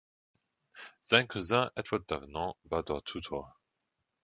Sein Cousin Edward Davenant war dort Tutor.